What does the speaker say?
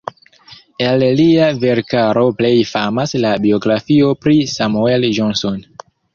El lia verkaro plej famas la biografio pri Samuel Johnson.